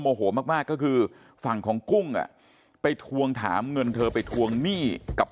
โมโหมากมากก็คือฝั่งของกุ้งอ่ะไปทวงถามเงินเธอไปทวงหนี้กับ